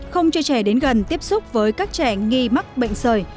không cho trẻ đến gần tiếp xúc với các trẻ nghi mắc bệnh sởi